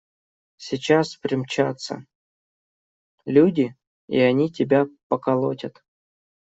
Сейчас примчатся… люди, и они тебя поколотят.